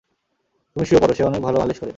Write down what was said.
তুমি শুয়ে পরো, সে অনেক ভালো মালিশ করে।